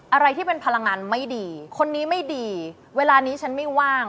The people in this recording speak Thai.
อะไรที่เป็นพลังงานไม่ดีคนนี้ไม่ดีเวลานี้ฉันไม่ว่าง